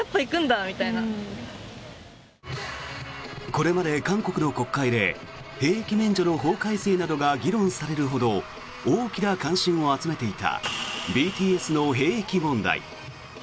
これまで韓国の国会で兵役免除の法改正などが議論されるほど大きな関心を集めていたＢＴＳの兵役問題。